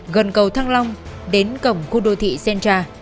gần cầu thăng long đến cổng khu đô thị sentra